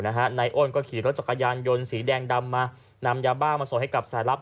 นายอ้นก็ขี่รถจักรยานยนต์สีแดงดำมานำยาบ้ามาส่งให้กับสายลับ